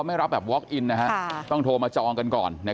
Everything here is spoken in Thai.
แล้วก็พวกวัคซีนอะไรก็ฉีดเรียบร้อยแล้ว